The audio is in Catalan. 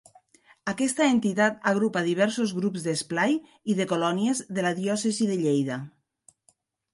Aquesta entitat agrupa diversos grups d'esplai i de colònies de la diòcesi de Lleida.